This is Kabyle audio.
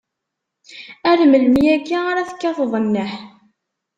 Ar melmi akka ara tekkateḍ nneḥ?